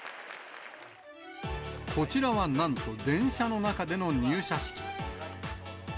こちらはなんと、電車の中での入社式。